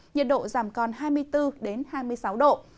nhiệt độ giảm còn hai mươi bốn hai mươi sáu độ